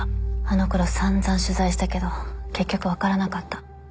あのころさんざん取材したけど結局分からなかった。